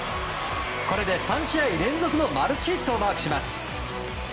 これで３試合連続のマルチヒットをマークします。